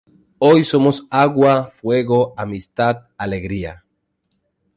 Hoy somos agua, fuego, amistad, alegría.